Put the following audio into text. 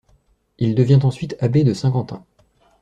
Il devient ensuite abbé de Saint-Quentin.